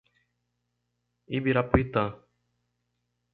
Ibirapuitã